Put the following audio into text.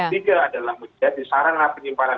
tiga adalah menjadi sarana penyimpanan